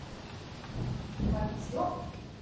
国步犹艰难，兵革未休息。万方哀嗷嗷，十载供军食。